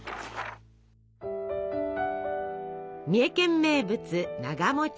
三重県名物「なが」。